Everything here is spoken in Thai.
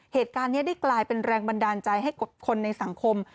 เหตุการณ์นี้ได้กลายเป็นแรงบันดาลใจให้กับคนในสังคม